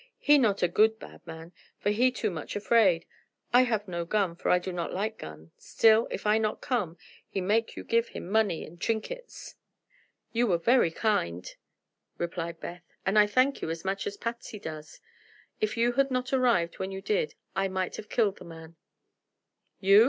"He not a good bad man, for he too much afraid. I have no gun, for I do not like gun. Still, if I not come, he make you give him money an' trinkets." "You were very kind," replied Beth, "and I thank you as much as Patsy does. If you had not arrived just when you did I might have killed the man." "You?"